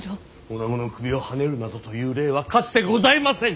女子の首をはねるなどという例はかつてございません！